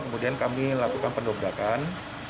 kemudian kami lakukan pendobrakan